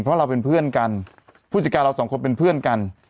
เพราะเราเป็นเพื่อนกันผู้จัดการเราสองคนเป็นเพื่อนกัน